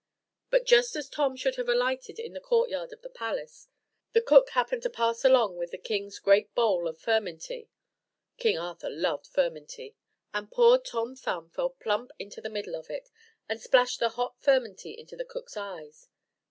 But just as Tom should have alighted in the courtyard of the palace, the cook happened to pass along with the king's great bowl of furmenty (King Arthur loved furmenty), and poor Tom Thumb fell plump into the middle of it, and splashed the hot furmenty into the cook's eyes.